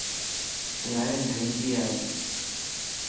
الائي مھنگائي ائي.